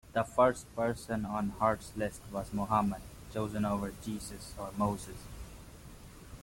The first person on Hart's list was Muhammad, chosen over Jesus or Moses.